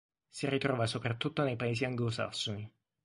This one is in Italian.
Si ritrova soprattutto nei Paesi anglosassoni.